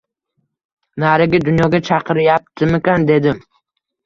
Narigi dunyoga chaqiryaptimikan dedim